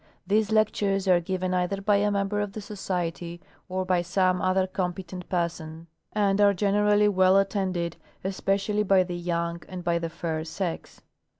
These lectures are given either by a member of the Society or by some other competent person, and are generally well attended, especially by the young and by the fair sex.